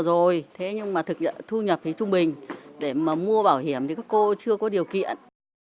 rồi thế nhưng mà thực thu nhập thì trung bình để mà mua bảo hiểm thì các cô chưa có điều kiện